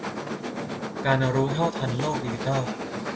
การรู้เท่าทันโลกดิจิทัล